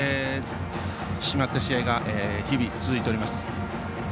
締まった試合が日々続いております。